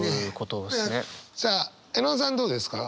さあ絵音さんどうですか？